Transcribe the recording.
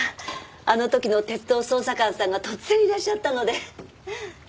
あの時の鉄道捜査官さんが突然いらっしゃったので。